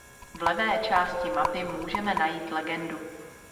V levé části mapy můžeme najít legendu.